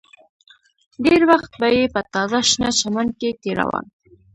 ډېر وخت به یې په تازه شنه چمن کې تېراوه